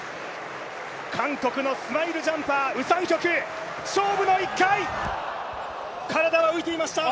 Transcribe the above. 韓国のスマイルジャンパー、ウ・サンヒョク、勝負の１回、体は浮いていました。